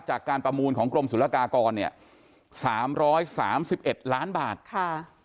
จากการประมูลของกรมศุลกากรเนี่ยสามร้อยสามสิบเอ็ดล้านบาทค่ะ